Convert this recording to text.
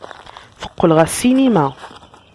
Teqqel ɣer ssinima.